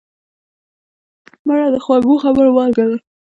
مړه د خوږو خبرو مالګه وه